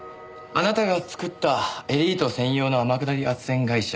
あなたが作ったエリート専用の天下り斡旋会社。